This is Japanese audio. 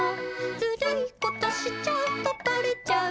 「ずるいことしちゃうとバレちゃうよ」